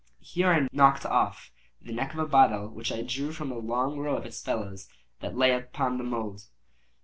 Here I knocked off the neck of a bottle which I drew from a long row of its fellows that lay upon the mould.